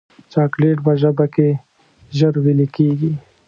چاکلېټ په ژبه کې ژر ویلې کېږي.